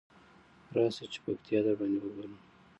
راشی چی پکتيا درباندې وګورم.